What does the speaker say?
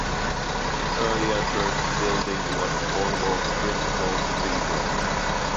An earlier church building was Cornwall's principal cathedral.